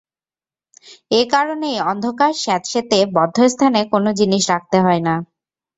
এ কারণেই অন্ধকার, স্যাঁতস্যাঁতে, বদ্ধ স্থানে কোনো জিনিস রাখতে হয় না।